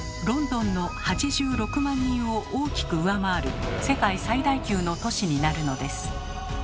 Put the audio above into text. ロンドンの８６万人を大きく上回る世界最大級の都市になるのです。